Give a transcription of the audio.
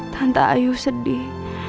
tante ayu sedih